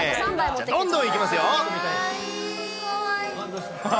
どんどんいきますよ。